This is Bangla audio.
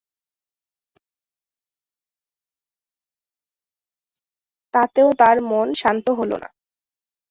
তাতেও তাঁর মন শান্ত হল না।